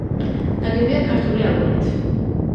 ნაგებია ქართული აგურით.